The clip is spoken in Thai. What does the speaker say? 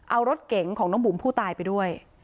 เอารถเก๋งของน้องบุ๋มผู้ตายไปด้วย